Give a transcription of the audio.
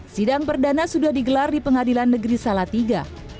sidang perdana sudah digelar di pengadilan negeri salah tiga